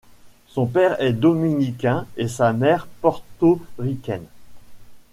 Son père est dominicain et sa mère portoricaine.